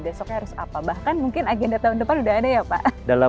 besoknya harus apa bahkan mungkin agenda tahun depan sudah ada ya pak